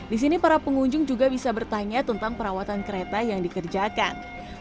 di sini para pengunjung juga bisa bertanya tentang perawatan kereta yang dikerjakan